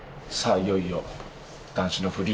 いよいよ男子のフリー。